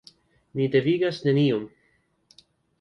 Ni devigas neniun.